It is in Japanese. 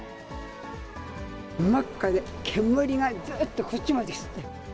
真っ赤で、煙がずっとこっちまで来てた。